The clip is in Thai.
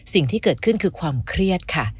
สิ่งที่เกิดขึ้นคือความเครียดค่ะ